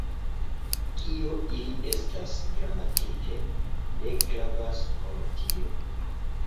Kio ili estas gramatike, ne gravas por tio.